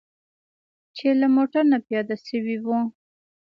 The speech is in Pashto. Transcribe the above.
چې له موټر نه پیاده شوي وو.